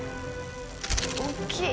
大きい！